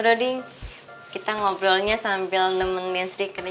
broding kita ngobrolnya sambil nemenin sendiri kerja